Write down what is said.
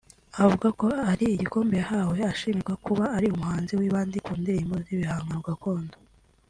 Avuga ko ari igikombe yahawe ashimirwa kuba ari umuhanzi wibandi ku ndirimbo z’ibihangano Gakondo